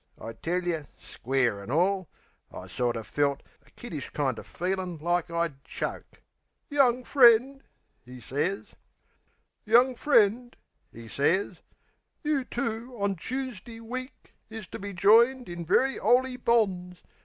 I tell yer, square an' all, I sorter felt A kiddish kind o' feelin' like I'd choke... "Young friend," 'e sez. "Young friend," 'e sez, "you two on Choosday week, Is to be joined in very 'oly bonds.